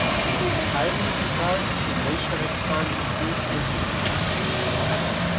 Einmütigkeit in Menschenrechtsfragen ist gut und wichtig.